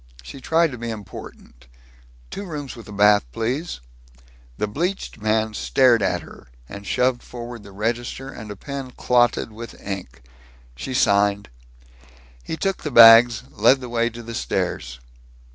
She tried to be important: "Two rooms with bath, please." The bleached man stared at her, and shoved forward the register and a pen clotted with ink. She signed. He took the bags, led the way to the stairs.